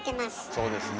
そうですね。